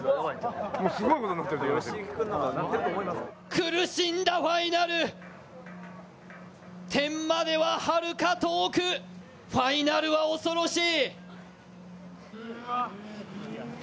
苦しんだファイナル、天までははるか遠くファイナルは恐ろしい。